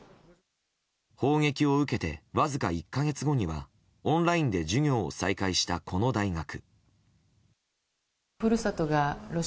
砲撃を受けてわずか１か月後にはオンラインで授業を再開したこの大学。